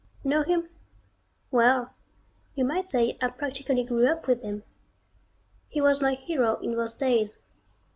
Know him? Well you might say I practically grew up with him. He was my hero in those days.